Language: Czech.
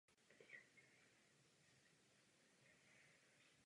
Kromě léčebné péče klinika organizuje a provádí výzkumné klinické studie.